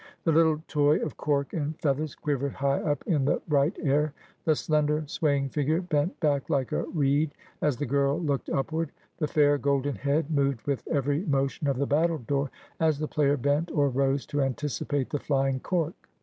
The little toy of cork and feathers quivered high up in the bright air ; the slender, swaying figure bent back like a reed as the girl looked upward ; the fair golden head moved with every motion of the battledore as the player bent or rose to anticipate the flying cork.